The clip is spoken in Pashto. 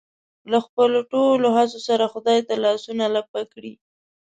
له خپلو ټولو هڅو سره خدای ته لاسونه لپه کړي.